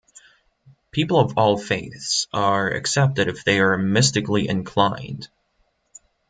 People of all faiths are accepted if they are mystically inclined.